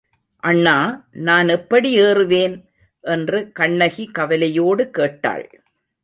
அண்ணா, நானெப்படி ஏறுவேன்? என்று கண்ணகி கவலையோடு கேட்டாள்.